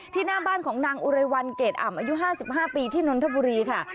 หน้าบ้านของนางอุไรวันเกรดอ่ำอายุ๕๕ปีที่นนทบุรีค่ะ